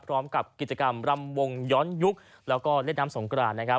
พร้อมกับกิจกรรมรำวงย้อนยุคแล้วก็เล่นน้ำสงกรานนะครับ